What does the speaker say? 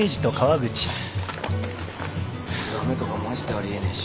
駄目とかマジであり得ねえし。